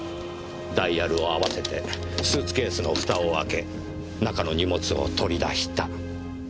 ダイヤルを合わせてスーツケースのフタを開け中の荷物を取り出した後！